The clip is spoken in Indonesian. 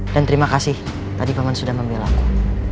dan terima kasih tadi paman sudah membela aku